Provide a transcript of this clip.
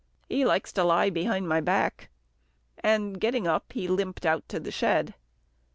He likes to lie behind my back," and getting up, he limped out to the shed.